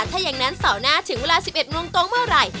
ถ้าอย่างนั้นเสาร์หน้าถึงเวลา๑๑โมงตรงเมื่อไหร่